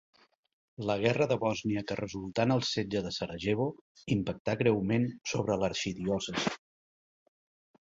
La guerra de Bòsnia, que resultà en el setge de Sarajevo, impactà greument sobre l'arxidiòcesi.